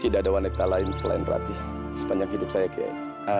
tidak ada wanita lain selain ratih sepanjang hidup saya kiai